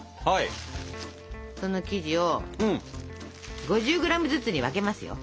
その生地を５０ｇずつに分けますよ。